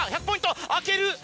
１００ポイント開ける！